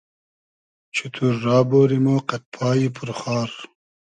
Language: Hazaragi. چوتور را بۉری مۉ قئد پایی پور خار